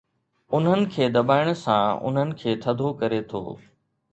. انهن کي دٻائڻ سان انهن کي ٿڌو ڪري ٿو.